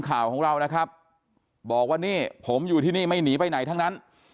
ข่าวของเรานะครับบอกว่านี่ผมอยู่ที่นี่ไม่หนีไปไหนทั้งนั้น